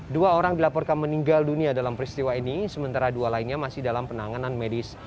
dua orang dilaporkan meninggal dunia dalam peristiwa ini sementara dua lainnya masih dalam penanganan medis